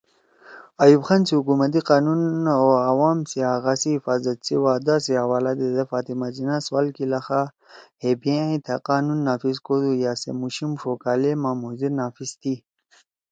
ایوب خان سی حکومتی قانون او عوام سی حقا سی حفاظت سی وعدا سی حوالہ دیدے فاطمہ جناح سوال کی لخا ہے بھی ائں تھأ قانون نافذ کودُو یأ سے مُوشیِم ݜو کالے ما مھو زید نافذ تھی